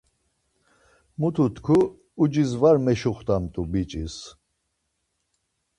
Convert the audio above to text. Mutu tku ucis var meşuxtamt̆u biç̌is.